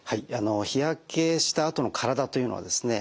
日焼けしたあとの体というのはですね